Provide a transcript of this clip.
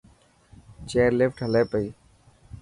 چيئرلفٽ هلي پئي